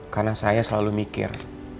karena saya selalu mikir